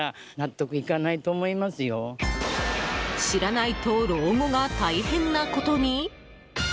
知らないと老後が大変なことに？